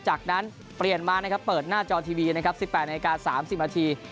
จากนั้นเปลี่ยนมาเปิดหน้าจอทีวีที่๑๘น๓๐นาที